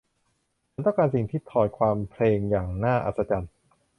ฉันต้องการสิ่งที่ถอดความเพลงอย่างน่าอัศจรรย์